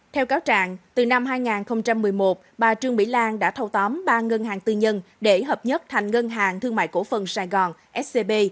theo cáo trạng từ năm hai nghìn một mươi một bà trương mỹ lan đã thâu tóm ba ngân hàng tư nhân để hợp nhất thành ngân hàng thương mại cổ phần sài gòn scb